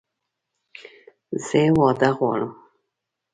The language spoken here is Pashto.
زه واده غواړم!